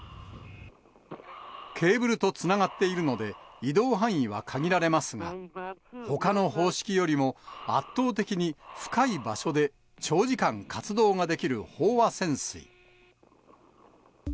ケーブルとつながっているので、移動範囲は限られますが、ほかの方式よりも、圧倒的に深い場所で長時間活動ができる飽和潜水。